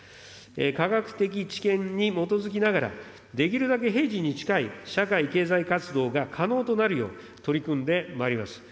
科学的知見に基づきながら、できるだけ平時に近い、社会経済活動が可能となるよう、取り組んでまいります。